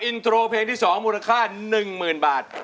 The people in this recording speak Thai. อินโทรเพลงที่๒มูลค่า๑๐๐๐บาท